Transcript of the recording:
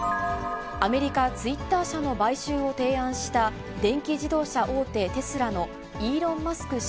アメリカ、ツイッター社の買収を提案した電気自動車大手、テスラのイーロン・マスク